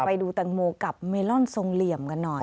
ไปดูแตงโมกับเมลอนทรงเหลี่ยมกันหน่อย